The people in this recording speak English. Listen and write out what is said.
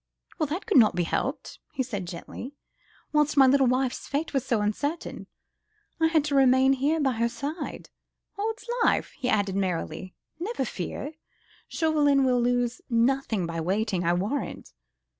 "Well! that could not be helped," he said gently, "whilst my little wife's fate was so uncertain, I had to remain here by her side. Odd's life!" he added merrily, "never fear! Chauvelin will lose nothing by waiting, I warrant!